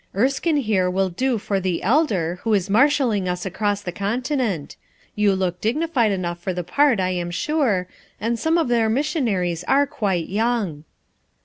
Erskine here will do for the 'elder' who is marshalling us across the continent; you look dignified enough for the part, I am sure, and some of their missionaries are quite young."